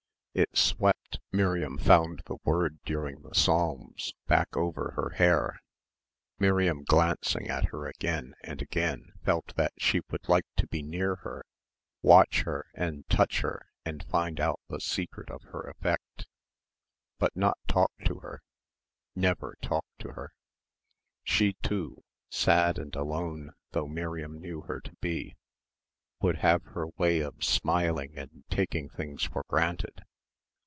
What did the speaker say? It swept, Miriam found the word during the Psalms, back over her hair. Miriam glancing at her again and again felt that she would like to be near her, watch her and touch her and find out the secret of her effect. But not talk to her, never talk to her. She, too, sad and alone though Miriam knew her to be, would have her way of smiling and taking things for granted.